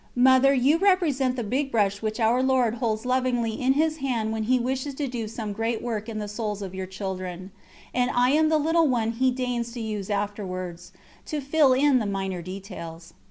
Mother, you represent the big brush which our Lord holds lovingly in His Hand when He wishes to do some great work in the souls of your children; and I am the little one He deigns to use afterwards, to fill in the minor details.